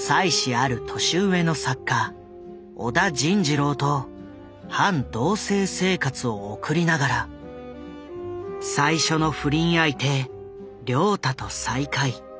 ある年上の作家小田仁二郎と半同せい生活を送りながら最初の不倫相手「凉太」と再会。